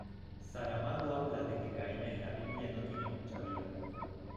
Saramago habla de que Caín en la Biblia no tiene mucha vida.